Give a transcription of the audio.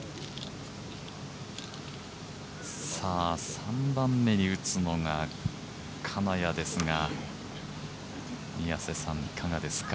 ３番目に打つのが金谷ですが宮瀬さん、いかがですか。